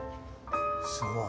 すごい。